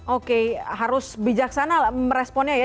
oke harus bijaksana meresponnya ya